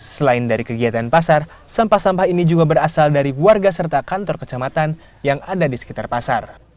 selain dari kegiatan pasar sampah sampah ini juga berasal dari warga serta kantor kecamatan yang ada di sekitar pasar